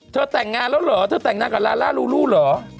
แต่งงานแล้วเหรอเธอแต่งงานกับลาล่าลูลูเหรอ